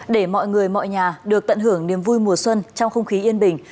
để mọi người mọi nhà được tận hưởng niềm vui mùa xuân trong không khí yên bình